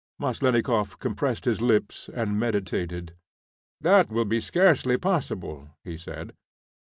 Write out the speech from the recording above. Maslennikoff compressed his lips and meditated. "That will be scarcely possible," he said.